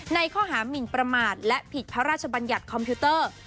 ในข้อหามินประมาทและผิดพระราชบัญญัติคอมพิวเตอร์